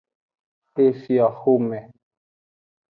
Efioxome.